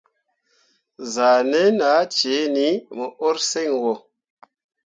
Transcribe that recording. Zahnen ah ceeni mo urseŋ wo.